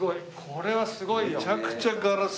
これはすごいよ。